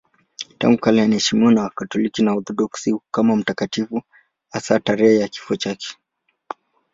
Tangu kale anaheshimiwa na Wakatoliki na Waorthodoksi kama mtakatifu, hasa tarehe ya kifo chake.